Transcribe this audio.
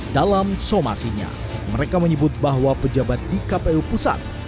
dalam somasinya mereka menyebut bahwa pejabat di kpu pusat